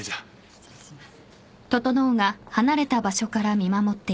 ・失礼します。